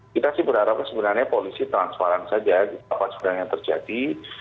kita sih berharap sebenarnya polisi transparan saja apa sebenarnya yang terjadi